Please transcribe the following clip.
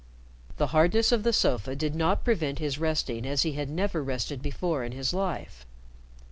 The hardness of the sofa did not prevent his resting as he had never rested before in his life.